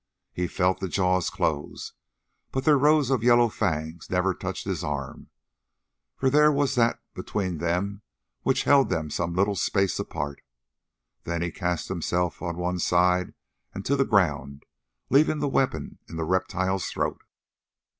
He felt the jaws close, but their rows of yellow fangs never touched his arm, for there was that between them which held them some little space apart. Then he cast himself on one side and to the ground, leaving the weapon in the reptile's throat.